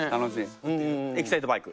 「エキサイトバイク」。